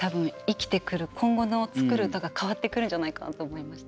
今後の作る歌が変わってくるんじゃないかなと思いました。